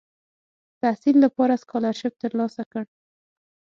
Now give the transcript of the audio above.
تحصیل لپاره سکالرشیپ تر لاسه کړ.